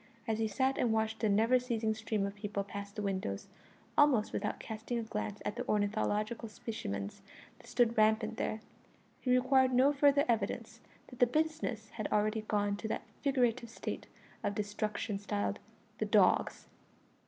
As he sat and watched the never ceasing stream of people pass the windows, almost without casting a glance at the ornithological specimens that stood rampant there, he required no further evidence that the business had already gone to that figurative state of destruction styled "the dogs."